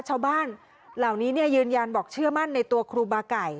ชาวบ้านเหล่านี้ยืนยันบอกเชื่อมั่นในตัวครูบาไก่